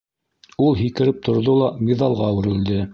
Ул һикереп торҙо ла миҙалға үрелде.